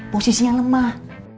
posisi yang lemah